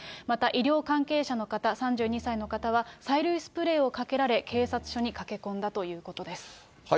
また、医療関係者の方、３２歳の方は催涙スプレーをかけられ、警察署に駆け込んだということです。